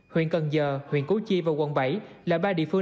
huyện cần giờ huyện củ chi và quận bảy là ba địa phương